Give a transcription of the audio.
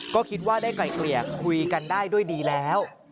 ก็คิดว่าได้ไกลเกลี่ยคุยกันได้ด้วยดีแล้ว